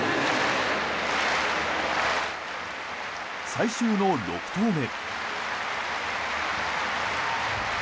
最終の６投目。